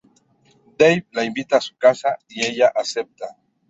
Dave la invita a su casa y ella acepta.